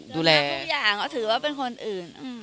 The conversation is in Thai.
ดูแลทุกอย่างถือว่าเป็นคนอื่น